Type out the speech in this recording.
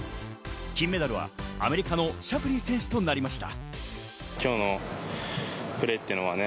金メダルはアメリカのシャフリー選手となりました。